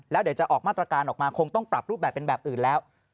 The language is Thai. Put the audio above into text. แล้วเดี๋ยวจะออกมาตรการออกมาคงต้องปรับรูปแบบเป็นแบบอื่นแล้ว